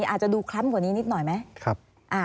อาจจะดูคล้ำกว่านี้นิดหน่อยไหม